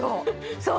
そう。